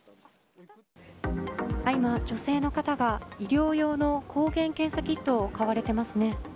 今、女性の方が医療用の抗原検査キットを買われていますね。